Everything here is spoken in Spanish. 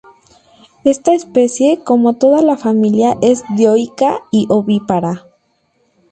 Esta especie, como toda la familia, es dioica y ovípara.